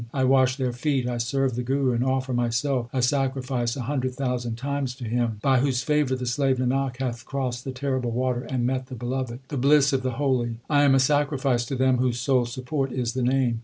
I wash their feet ; I serve the Guru and offer myself a sacrifice a hundred thousand times to him By whose favour the slave Nanak hath crossed the terrible water and met the Beloved. The bliss of the holy : I am a sacrifice to them Whose sole support is the Name.